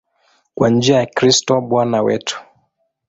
Kwa njia ya Kristo Bwana wetu.